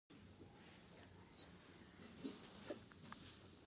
علم د شفافیت بنسټ ایښودونکی د.